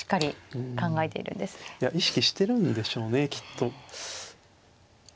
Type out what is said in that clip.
意識してるんでしょうねきっと。